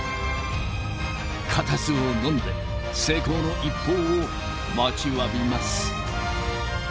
固唾をのんで成功の一報を待ちわびます。